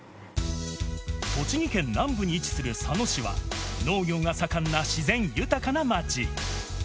栃木県南部に位置する佐野市は、農業が盛んな自然豊かな町。